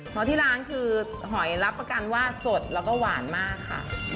เพราะที่ร้านคือหอยรับประกันว่าสดแล้วก็หวานมากค่ะ